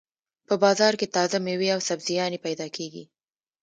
په بازار کې تازه مېوې او سبزيانې پیدا کېږي.